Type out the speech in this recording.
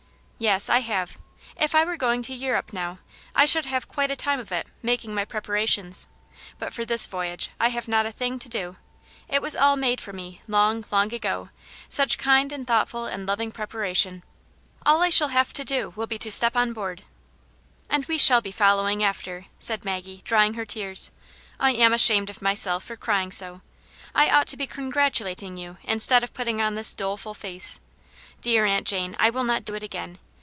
" Yes, I have. If I were going to Europe now, I should have quite a time of it, making my prepar ations. But for this voyage I have not a thing to do. It was all made for me long, long ago ; such kind and thoughtful and loving preparation ! All I shall have to do will be to step on board." "And we shall be following after," said Maggie, drying her tears. "I am ashamed of' myself for crying so. I ought to be congratulating you instead of putting on this doleful face. Di^ar .j^unt Jane, I will not do it again.